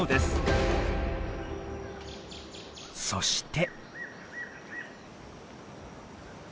そして。